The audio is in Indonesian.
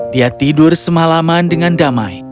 dia tidur semalaman dengan damai